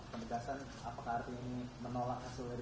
penegasan apakah artinya menolak hasil dari